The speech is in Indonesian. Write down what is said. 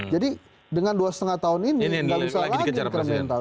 jadi dengan dua lima tahun ini tidak bisa lagi incremental